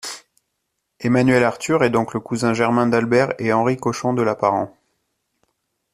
Emmanuel-Arthur est donc le cousin germain d'Albert et Henri Cochon de Lapparent.